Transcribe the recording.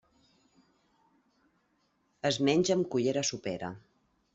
Es menja amb cullera sopera.